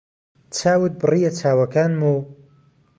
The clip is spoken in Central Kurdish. چاوت بڕیە چاوەکانم و